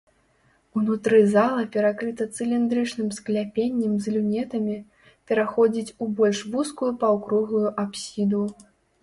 Унутры зала перакрыта цыліндрычным скляпеннем з люнетамі, пераходзіць у больш вузкую паўкруглую апсіду.